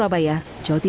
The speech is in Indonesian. muhammad yanuwa keputi